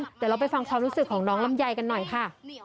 เดี๋ยวเราไปฟังความรู้สึกของน้องลำไยกันหน่อยค่ะ